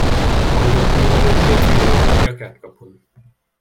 Ahogy ott tűnődött, két fiú lépett ki a kertkapun.